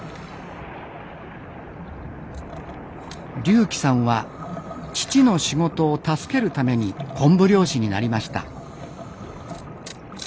龍希さんは父の仕事を助けるために昆布漁師になりました。